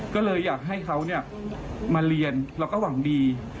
ก็เลยอยากให้เค้าเนี่ยมาเรียนเราก็หวังดี